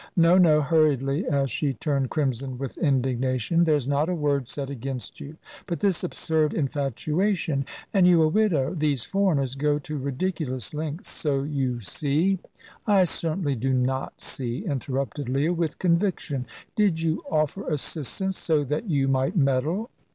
No, no," hurriedly, as she turned crimson with indignation; "there's not a word said against you. But this absurd infatuation and you a widow; these foreigners go to ridiculous lengths, so you see " "I certainly do not see," interrupted Leah, with conviction. "Did you offer assistance so that you might meddle?"